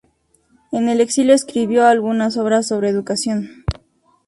En el exilio escribió algunas obras sobre educación.